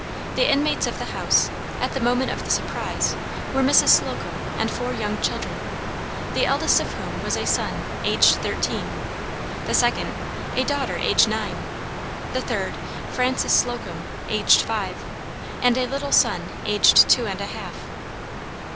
The inmates of the house, at the moment of the surprise, were Mrs. Slocum and four young children, the eldest of whom was a son aged thirteen, the second, a daughter aged nine, the third, Frances Slocum, aged five, and a little son aged two and a half.